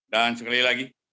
dan sekali lagi